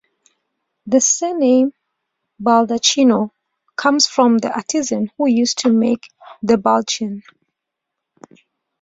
The surname Baldacchino comes from the artisans who used to make the Baldachin.